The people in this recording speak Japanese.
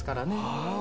ああ。